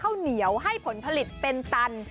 ข้าวเหนียวให้ผลผลิตเป็นตัน